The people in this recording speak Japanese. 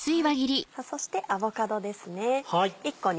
さぁそしてアボカドですね。